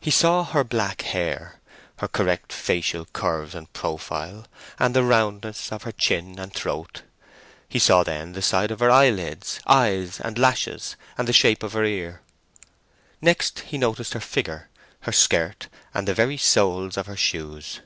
He saw her black hair, her correct facial curves and profile, and the roundness of her chin and throat. He saw then the side of her eyelids, eyes, and lashes, and the shape of her ear. Next he noticed her figure, her skirt, and the very soles of her shoes.